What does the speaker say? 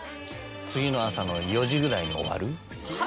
次の朝の４時ぐらいに終わる。